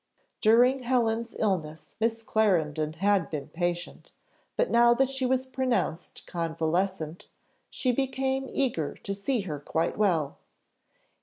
During Helen's illness Miss Clarendon had been patient, but now that she was pronounced convalescent, she became eager to see her quite well.